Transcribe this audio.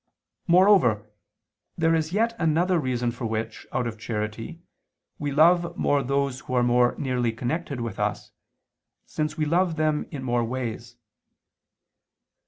Moreover there is yet another reason for which, out of charity, we love more those who are more nearly connected with us, since we love them in more ways.